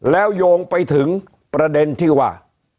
แล้วโยงไปถึงประเด็นที่ว่า